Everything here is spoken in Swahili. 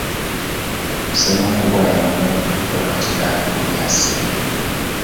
Sehemu kubwa ya eneo iko katika hali ya asili